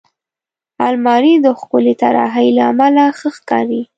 الماري د ښکلې طراحۍ له امله ښه ښکاري